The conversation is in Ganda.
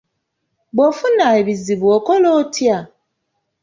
Bw’ofuna ebizibu okola otya?